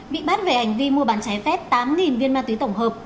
bị bắt về hành vi mua bán trái phép tám viên ma túy tổng hợp